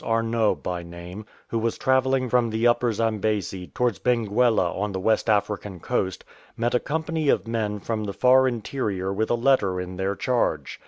Arnot by name, who was travelling from the Upper Zambesi towards Benguela on the West African coast, met a company of men from the far interior with a letter in their charge.